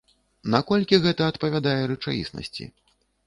Наколькі гэта адпавядае рэчаіснасці?